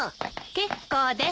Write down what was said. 結構です。